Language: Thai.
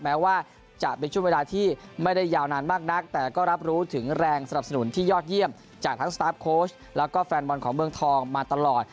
แม้ว่าจะเป็นช่วงเวลาที่ไม่ได้ยาวนานมากนักแต่ก็รับรู้ถึงแรงสนับสนุนที่ยอดเยี่ยมจากทั้งสตาร์ฟโค้ชแล้วก็แฟนบอลของเมืองทองมาตลอด